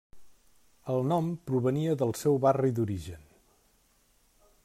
El nom provenia del seu barri d'origen.